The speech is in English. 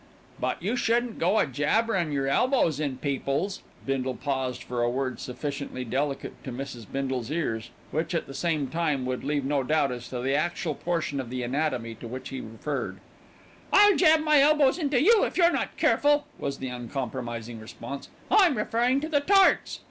"But you shouldn't go a jabbin' yer elbows in people's " Bindle paused for a word sufficiently delicate for Mrs. Bindle's ears and which, at the same time, would leave no doubt as to the actual portion of the anatomy to which he referred. "I'll jab my elbows into you, if you're not careful," was the uncompromising response. "I'm referring to the tarts."